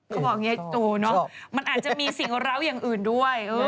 เขาบอกอย่างนี้ตูเนอะมันอาจจะมีสิ่งร้าวอย่างอื่นด้วย